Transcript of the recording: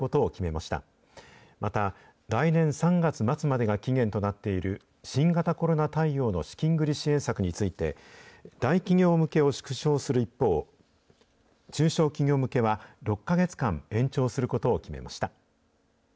また、来年３月末までが期限となっている新型コロナ対応の資金繰り支援策について、大企業向けを縮小する一方、中小企業向けは、６か月間延長することを決めました。